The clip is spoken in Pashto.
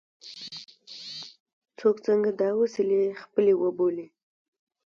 څوک څنګه دا وسیلې خپلې وبولي.